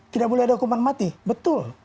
tidak boleh ada hukuman mati betul